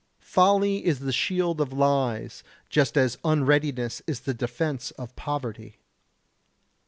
Folly is the shield of lies, just as unreadiness is the defence of poverty.